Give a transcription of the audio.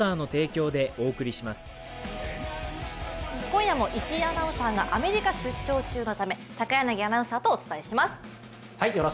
今夜も石井アナウンサーがアメリカ出張中のため高柳アナウンサーとお伝えします。